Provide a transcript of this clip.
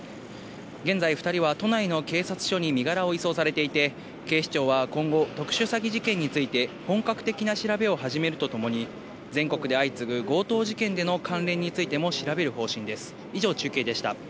現在、２人は都内の警察署に身柄を移送されていて、警視庁は今後、特殊詐欺事件について本格的な調べを始めるとともに、全国で相次ぐ強盗事件での関連についても調べる方針です。